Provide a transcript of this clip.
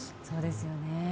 そうですよね。